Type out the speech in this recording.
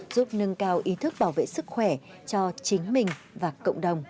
giúp nâng cao ý thức bảo vệ sức khỏe cho chính mình và cộng đồng